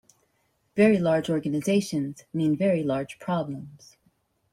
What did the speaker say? Very large organizations mean very large problems.